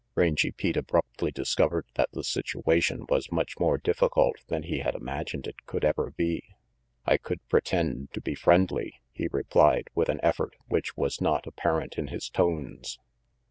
Rangy Pete abruptly discovered that the situation was much more difficult than he had imagined it could ever be. "I could pretend to be friendly," he replied with an effort which was not apparent in his tones.